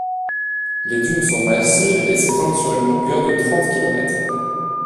Les dunes sont massives et s'étendent sur une longueur de trente kilomètres.